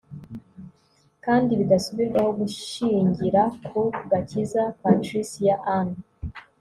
kandi bidasubirwaho gushingira ku gakiza. patricia ann